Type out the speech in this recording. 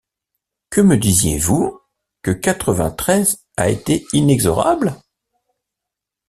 Que me disiez-vous? que quatre-vingt-treize a été inexorable ?